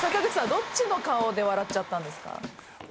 どっちの顔で笑っちゃったんですか？